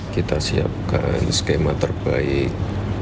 kita siapkan skema terbaik